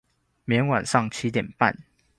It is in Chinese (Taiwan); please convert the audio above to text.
明天晚上七點半